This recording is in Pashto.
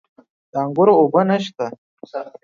د انګورو اوبه نشته؟